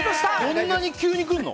こんなに急に来るの？